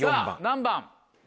何番？